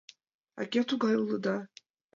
— А кӧ тугай улыда?